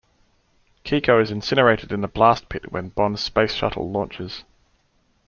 Kiko is incinerated in the blast pit when Bond's space shuttle launches.